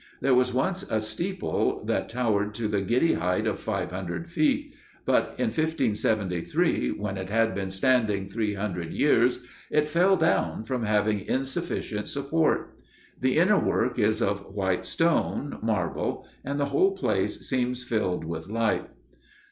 There was once a steeple that towered to the giddy height of five hundred feet, but in 1573, when it had been standing three hundred years, it fell down from having insufficient support. The inner work is of white stone, marble, and the whole place seems filled with light.